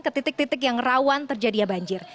ke titik titik yang rawan terjadinya banjir